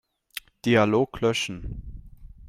Dialog löschen.